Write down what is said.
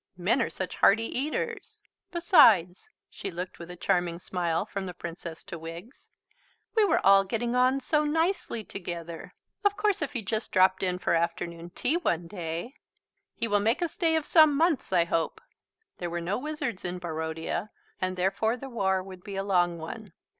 Men are such hearty eaters. Besides," she looked with a charming smile from the Princess to Wiggs, "we were all getting on so nicely together! Of course if he just dropped in for afternoon tea one day " "He will make a stay of some months, I hope." There were no wizards in Barodia, and therefore the war would be a long one.